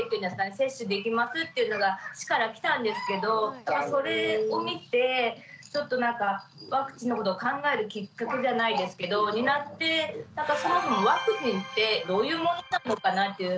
接種できますっていうのが市から来たんですけどそれを見てちょっとなんかワクチンのことを考えるきっかけじゃないですけどになってなんかそもそもワクチンってどういうものなのかなっていう。